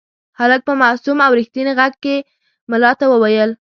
هلک په معصوم او رښتیني غږ کې ملا ته وویل.